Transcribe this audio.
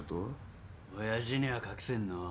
親父には隠せんのう。